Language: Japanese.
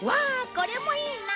これもいいな！